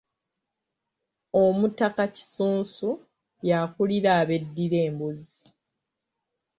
Omutaka Kisunsu y’akulira abeddira Embuzi.